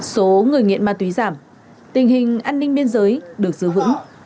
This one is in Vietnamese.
số người nghiện ma túy giảm tình hình an ninh biên giới được giữ vững